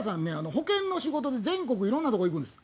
保険の仕事で全国いろんなとこ行くんです。